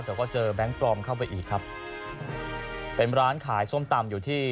แต่ก็เจอแบงค์ปลอมเข้าไปอีกครับเป็นร้านขายส้มตำอยู่ที่